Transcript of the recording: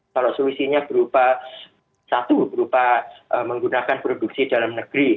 kalau solusinya berupa satu berupa menggunakan produksi dalam negeri